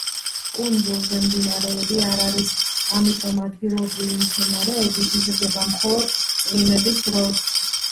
კუნძულზე მდინარეები არ არის, ამიტომ ადგილობრივი მცენარეები იზრდება მხოლოდ წვიმების დროს.